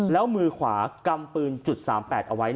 แล้วมือขวากำปืน๓๘เอาไว้